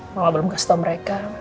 malah belum kasih tahu mereka